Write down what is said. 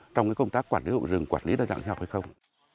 trong cái công tác quản lý hội rừng quản lý đa dạng sinh học hay không